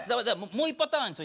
もう１パターン？